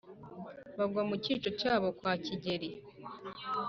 bagwa mu gico cy'abo kwa kigeri ,